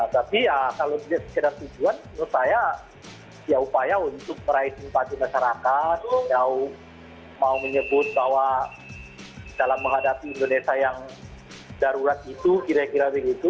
tapi ya kalau sekedar tujuan menurut saya ya upaya untuk meraih simpati masyarakat yang mau menyebut bahwa dalam menghadapi indonesia yang darurat itu kira kira begitu